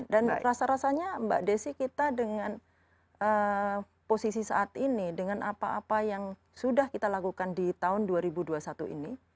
dan rasanya mbak desy kita dengan posisi saat ini dengan apa apa yang sudah kita lakukan di tahun dua ribu dua puluh satu ini